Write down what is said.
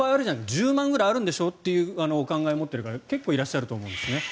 １０万ぐらいあるんでしょというお考えを持っている方結構いらっしゃると思うんですね。